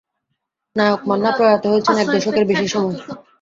নায়ক মান্না প্রয়াত হয়েছেন এক দশকের বেশি সময়।